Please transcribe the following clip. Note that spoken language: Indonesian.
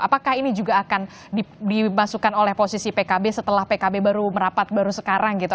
apakah ini juga akan dimasukkan oleh posisi pkb setelah pkb baru merapat baru sekarang gitu